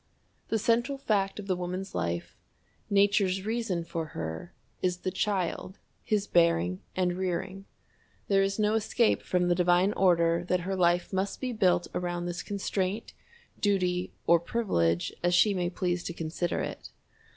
The central fact of the woman's life Nature's reason for her is the child, his bearing and rearing. There is no escape from the divine order that her life must be built around this constraint, duty, or privilege, as she may please to consider it.